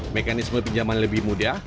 mekanisme pinjaman lebih mudah